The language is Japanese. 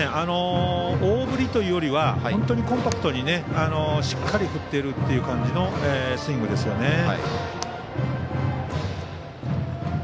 大振りというよりは本当にコンパクトにしっかり振ってるという感じのスイングですよね。